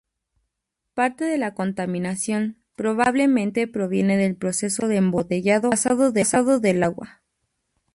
Parte de la contaminación probablemente proviene del proceso de embotellado y envasado del agua.